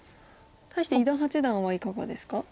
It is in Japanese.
対して伊田八段はいかがですか？